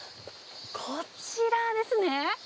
こちらですね。